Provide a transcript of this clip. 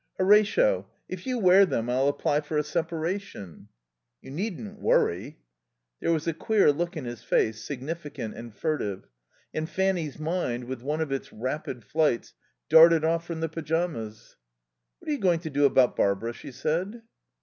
Horatio, if you wear them I'll apply for a separation." "You needn't worry." There was a queer look in his face, significant and furtive. And Fanny's mind, with one of its rapid flights, darted off from the pyjamas. "What are you going to do about Barbara?" she said.